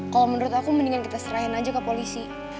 kalau menurut aku mendingan kita serahin aja ke polisi